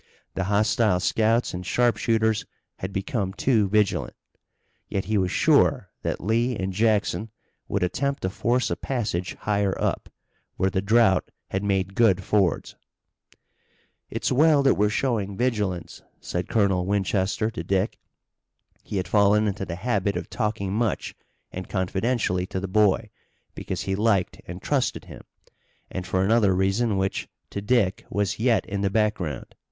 The hostile scouts and sharpshooters had become too vigilant. Yet he was sure that Lee and Jackson would attempt to force a passage higher up, where the drought had made good fords. "It's well that we're showing vigilance," said Colonel Winchester to Dick. He had fallen into the habit of talking much and confidentially to the boy, because he liked and trusted him, and for another reason which to Dick was yet in the background.